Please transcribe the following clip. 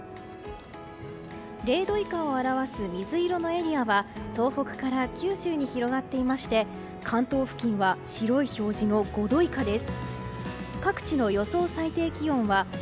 ０度以下を表す水色のエリアは東北から九州に広がっていまして関東付近は白い表示の５度以下です。